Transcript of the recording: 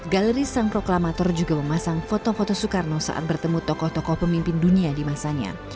galeri sang proklamator juga memasang foto foto soekarno saat bertemu tokoh tokoh pemimpin dunia di masanya